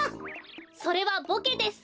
それはボケです。